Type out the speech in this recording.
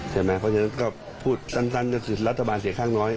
ใช่ไหมเพราะฉะนั้นก็พูดตันกับสิทธิ์รัฐบาลเสียข้างน้อย